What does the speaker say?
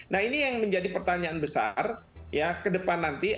nah ini yang menjadi pertanyaan besar ya ke depan nanti